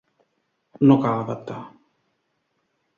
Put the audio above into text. No cal adaptar.